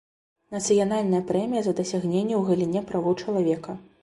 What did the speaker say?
Нацыянальная прэмія за дасягненні ў галіне правоў чалавека.